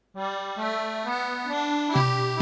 จริง